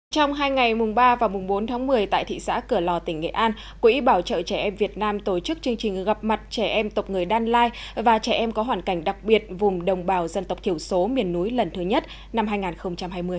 trong hai ngày mùng ba và mùng bốn tháng một mươi tại thị xã cửa lò tỉnh nghệ an quỹ bảo trợ trẻ em việt nam tổ chức chương trình gặp mặt trẻ em tộc người đan lai và trẻ em có hoàn cảnh đặc biệt vùng đồng bào dân tộc thiểu số miền núi lần thứ nhất năm hai nghìn hai mươi